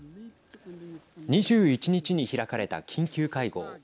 ２１日に開かれた緊急会合。